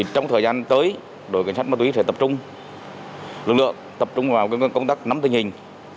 trong thời gian tới đội cảnh sát ma túy sẽ tập trung lực lượng tập trung vào công tác nắm tình hình